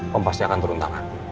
kom pasti akan turun tangan